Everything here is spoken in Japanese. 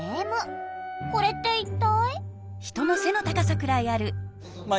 これって一体？